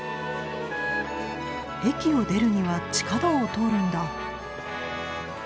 駅を出るには地下道を通るんだ。